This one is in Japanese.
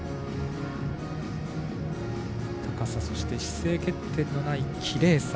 高さ、そして姿勢欠点のないきれいさ。